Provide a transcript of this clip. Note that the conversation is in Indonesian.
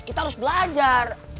kita harus belajar